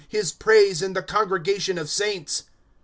His praise in the congregation of saints.